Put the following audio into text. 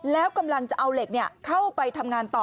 แล้วกำลังจะเอาเหล็กเข้าไปทำงานต่อ